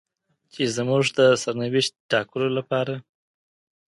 چې زموږ د سرنوشت ټاکلو لپاره.